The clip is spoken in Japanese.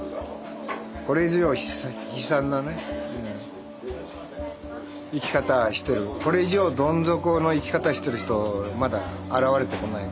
これ以上悲惨なね生き方してるこれ以上どん底の生き方してる人まだ現れてこない。